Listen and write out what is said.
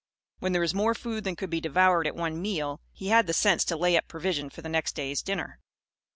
When there was more food than could be devoured at one meal, he had the sense to lay up provision for the next day's dinner.